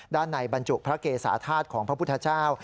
ด้านในบรรจุพระเกสาธาตุของพระพุทธเจ้า